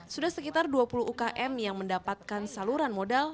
sudah sekitar dua puluh ukm yang mendapatkan saluran modal